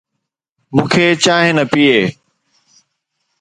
مون کي چانهه نه پيئي.